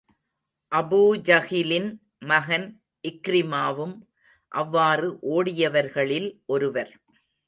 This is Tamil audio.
அபூஜஹிலின் மகன் இக்ரிமாவும், அவ்வாறு ஓடியவர்களில் ஒருவர்.